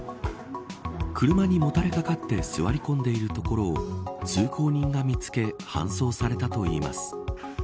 車にもたれかかって座り込んでいるところを通行人が見つけ搬送されたといいます。